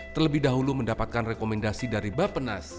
terlebih dahulu mendapatkan rekomendasi dari bapenas